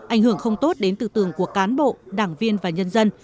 ảnh hưởng không tốt đến tư tường của cán bộ đảng viên và nhân dân